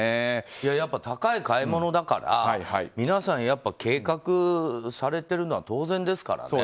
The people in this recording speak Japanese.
やっぱり高い買い物だから皆さん、計画されてるのは当然ですからね。